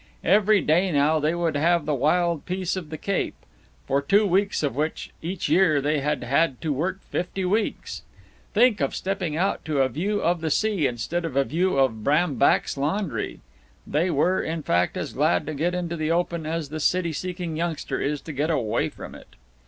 Every day now they would have the wild peace of the Cape, for two weeks of which, each year, they had had to work fifty weeks. Think of stepping out to a view of the sea instead of a view of Brambach's laundry! They were, in fact, as glad to get into the open as the city seeking youngster is to get away from it.